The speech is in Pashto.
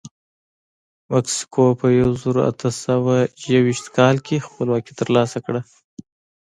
مکسیکو په یو زرو اته سوه یوویشت کال کې خپلواکي ترلاسه کړه.